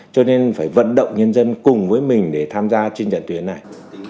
cho nên phải vận động nhân dân cùng với mình để tham gia trên trận tuyến này